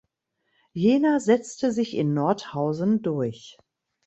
Jena setzte sich in Nordhausen durch.